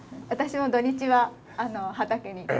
私も土日は畑に。